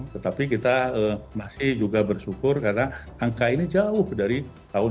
tetapi kita masih juga bersyukur karena angka ini jauh dari tahun dua ribu